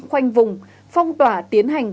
khoanh vùng phong tỏa tiến hành